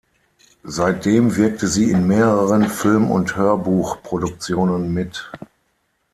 Seitdem wirkte sie in mehreren Film- und Hörbuchproduktionen mit.